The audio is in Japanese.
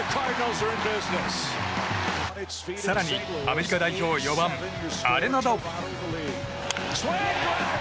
更に、アメリカ代表４番、アレナド。